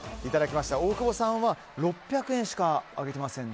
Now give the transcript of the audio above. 大久保さんは６００円しか上げてませんね。